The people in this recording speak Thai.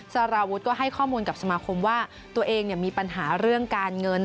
สารวุฒิก็ให้ข้อมูลกับสมาคมว่าตัวเองมีปัญหาเรื่องการเงิน